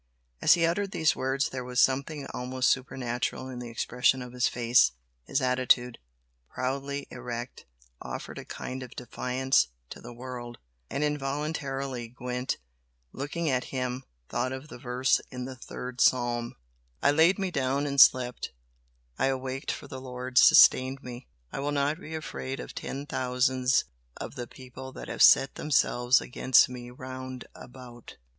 As he uttered these words there was something almost supernatural in the expression of his face his attitude, proudly erect, offered a kind of defiance to the world, and involuntarily Gwent, looking at him, thought of the verse in the Third Psalm "I laid me down and slept; I awaked for the Lord sustained me. I will not be afraid of ten thousands of the people that have set themselves against me round about."